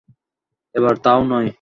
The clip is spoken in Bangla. এবার তাও নয়।